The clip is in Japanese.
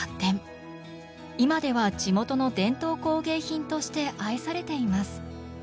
今では地元の伝統工芸品として愛されています。